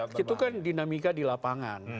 itu kan dinamika di lapangan